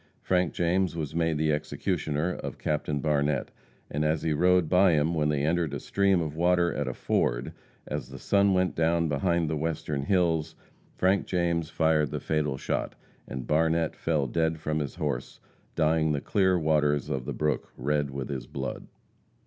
Frank James was made the executioner of Captain Barnette, and as he rode by him when they entered a stream of water at a ford, as the sun went down behind the western hills, Frank James fired the fatal shot, and Barnette fell dead from his horse, dying the clear waters of the brook red with his blood.